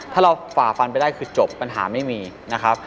ถ้าเราฝ่าฟันไปได้คือจบปัญหาไม่มีนะครับ